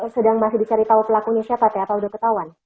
sedang masih dicari tahu pelakunya siapa teh apa udah ketahuan